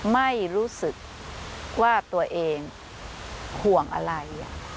ไม่รู้สึกว่าตัวเองห่วงอะไร